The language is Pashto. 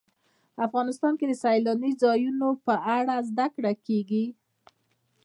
افغانستان کې د سیلانی ځایونه په اړه زده کړه کېږي.